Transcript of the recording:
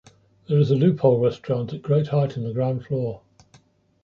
There is a loophole restaurant of great height in the ground floor.